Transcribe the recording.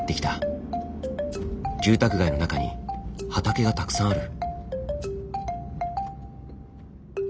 住宅街の中に畑がたくさんある。